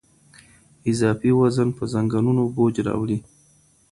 اضافي وزن په زنګونونو بوج راوړي.